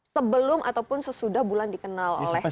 sebelum ataupun sesudah bulan dikenal oleh banyak orang